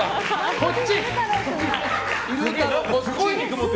こっち！